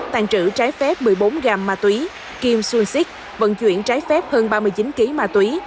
tàn trữ trái phép một mươi bốn gam ma túy kim xuys vận chuyển trái phép hơn ba mươi chín kg ma túy